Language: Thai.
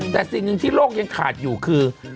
แต่สิ่งหนึ่งที่โลกยังขาดอยู่คือ